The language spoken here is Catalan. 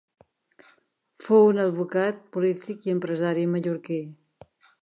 Fou un advocat, polític i empresari mallorquí.